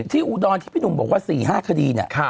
สิ่งที่อดรที่พี่หนุ่มบอกว่า๔๕คดีนี้